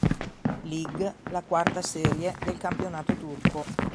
Lig, la quarta serie del campionato turco.